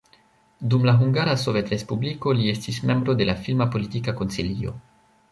Dum la Hungara Sovetrespubliko li estis membro de la filma politika konsilio.